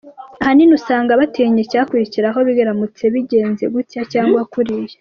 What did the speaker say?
Ahanini usanga batinya icyakurikiraho biramutse bigenze gutya cyangwa kuriya.